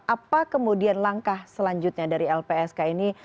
apa kemudian langkah selanjutnya dari lpsk ini